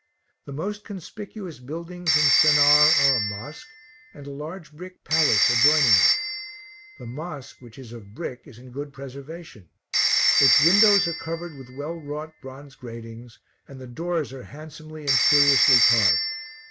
The most conspicuous buildings in Sennaar are a mosque, and a large brick palace adjoining it. The mosque, which is of brick, is in good preservation; its windows are covered with well wrought bronze gratings, and the doors are handsomely and curiously carved.